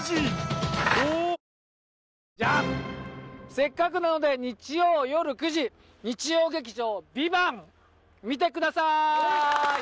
「せっかくなので日曜よる９時」「日曜劇場ＶＩＶＡＮＴ」「見てください！」